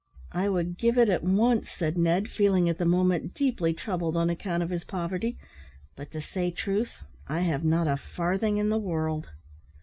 "I would give it at once," said Ned, feeling at the moment deeply troubled on account of his poverty; "but, to say truth, I have not a farthing in the world."